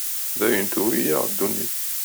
D ayen tewwi-yaɣ ddunit.